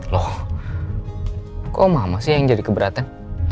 loh kok mama sih yang jadi keberatan